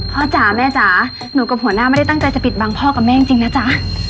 จ๋าแม่จ๋าหนูกับหัวหน้าไม่ได้ตั้งใจจะปิดบังพ่อกับแม่จริงนะจ๊ะ